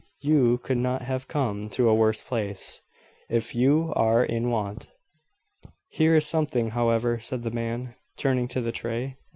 You could not have come to a worse place, if you are in want." "Here is something, however," said the man, turning to the tray.